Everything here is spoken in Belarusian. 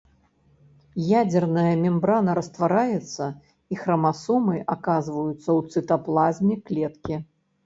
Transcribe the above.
Ядзерная мембрана раствараецца, і храмасомы аказваюцца ў цытаплазме клеткі.